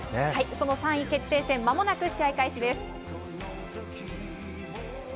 その３位決定戦、間もなく試合開始です。